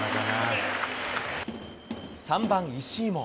３番石井も。